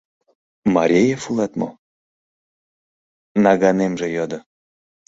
«Мареев улат мо?» — наганемже йодо.